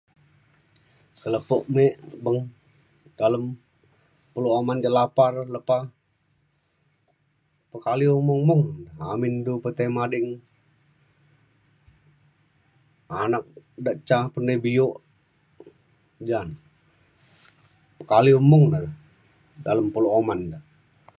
ka lepo me beng dalem pulo uman de lapa lepa pekaliu mung mung amin du pa tai mading. anak da ca pa nai bio jan pekaliu mung ne dalem pulo uman da.